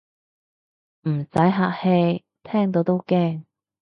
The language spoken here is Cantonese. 唔使客氣，聽到都驚